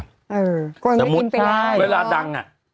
สมมุติเวลาดังอ่ะ